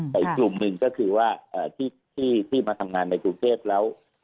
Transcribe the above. แต่อีกกลุ่มหนึ่งก็คือว่าที่มาทำงานในกรุงเทพแล้ว